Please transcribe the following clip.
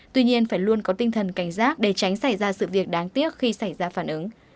tuy nhiên phải luôn có tinh thần cảnh giác để tránh xảy ra sự việc đáng tiếc khi xảy ra phản ứng